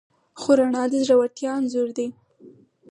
خو رڼا د زړورتیا انځور دی.